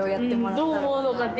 うんどう思うのかって